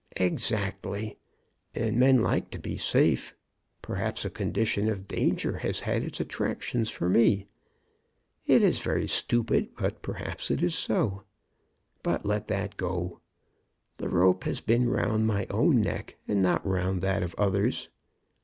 "Exactly, and men like to be safe. Perhaps a condition of danger has had its attractions for me. It is very stupid, but perhaps it is so. But let that go. The rope has been round my own neck and not round that of others.